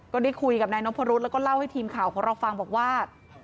ก็ได้คุยกับนายนพรุษแล้วก็เล่าให้ทีมข่าวของเราฟังบอกว่า